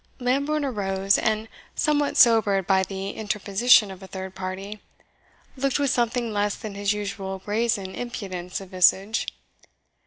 Lambourne arose, and somewhat sobered by the interposition of a third party, looked with something less than his usual brazen impudence of visage.